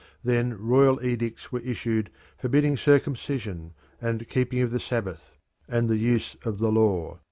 Then royal edicts were issued forbidding circumcision, and keeping of the Sabbath, and the use of the law.